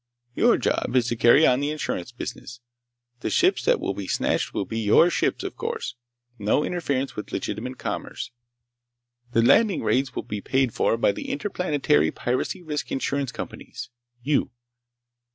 Your job is to carry on the insurance business. The ships that will be snatched will be your ships, of course. No interference with legitimate commerce. The landing raids will be paid for by the interplanetary piracy risk insurance companies—you.